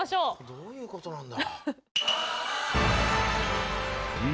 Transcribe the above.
どういうことなんだ。